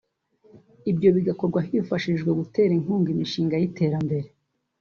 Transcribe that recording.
ibyo bigakorwa hifashishijwe gutera inkunga imishinga y’iterambere